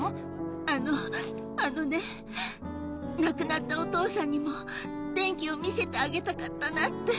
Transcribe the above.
あの、あのね、亡くなったお父さんにも、電気を見せてあげたかったなって。